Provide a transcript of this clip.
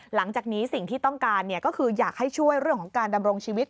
หลังจากนี้สิ่งที่ต้องการก็คืออยากให้ช่วยเรื่องของการดำรงชีวิต